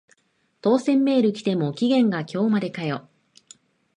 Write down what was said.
当選メール来ても期限が今日までかよ